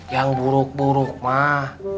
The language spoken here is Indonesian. yang buruk buruk mah